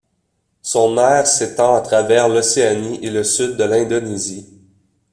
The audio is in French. Son aire s'étend à travers l'Océanie et le sud de l'Indonésie.